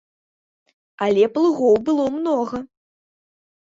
Але плугоў было многа.